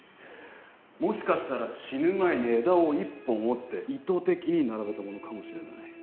もしかしたら死ぬ前に枝を１本折って意図的に並べたものかもしれない。